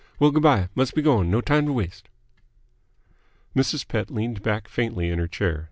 Well, g'bye. Mus' be going. No time t' waste." Mrs. Pett leaned back faintly in her chair.